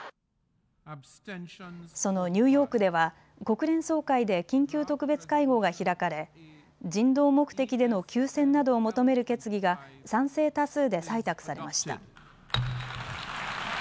そのニューヨークでは国連総会で緊急特別会合が開かれ人道目的での休戦などを求める決議が賛成多数で採択されました。